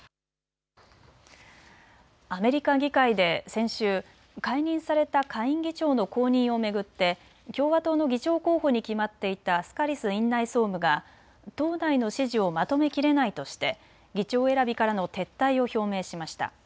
アメリカ議会で先週、解任された下院議長の後任を巡って共和党の議長候補に決まっていたスカリス院内総務が党内の支持をまとめきれないとして議長選びからの撤退を表明しました。